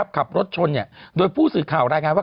ขับรถชนโดยผู้สื่อข่าวรายงานว่า